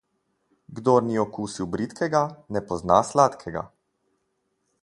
Kdor ni okusil bridkega, ne pozna sladkega.